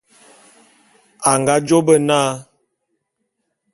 A nga jô bé na.